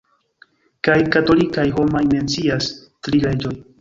Kaj katolikaj homaj mencias "tri reĝoj".